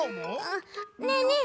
ねえねえ